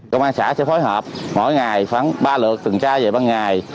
công an xã sẽ phối hợp mỗi ngày khoảng ba lượt từng tra về ba ngày